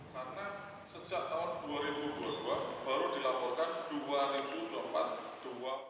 karena sejak tahun dua ribu dua puluh dua baru dilaporkan dua ribu empat dua ribu lima